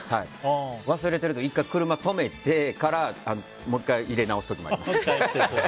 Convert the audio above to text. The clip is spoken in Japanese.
忘れてると１回車を止めてからもう１回入れ直す時もあります。